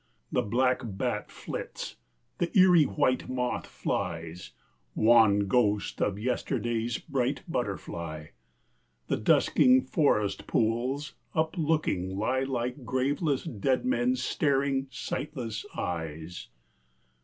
The black bat flits, the eerie white moth flies Wan ghost of yesterday's bright butterfly The dusking forest pools uplooking lie Like graveless dead men's staring, sightless eyes.